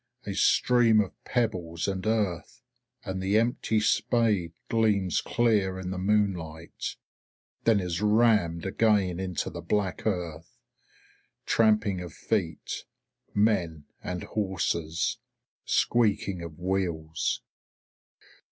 A stream of pebbles and earth and the empty spade gleams clear in the moonlight, then is rammed again into the black earth. Tramping of feet. Men and horses. Squeaking of wheels.